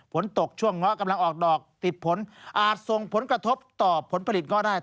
ฝนตกช่วงเงาะกำลังออกดอกติดผลอาจส่งผลกระทบต่อผลผลิตก็ได้